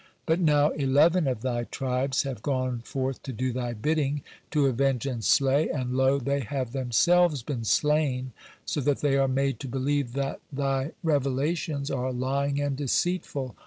But now eleven of Thy tribes have gone forth to do Thy bidding, to avenge and slay, and, lo, they have themselves been slain, so that they are made to believe that Thy revelations are lying and deceitful.